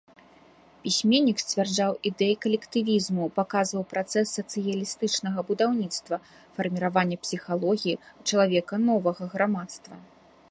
Пісьменнік сцвярджаў ідэі калектывізму, паказваў працэс сацыялістычнага будаўніцтва, фарміравання псіхалогіі чалавека новага грамадства.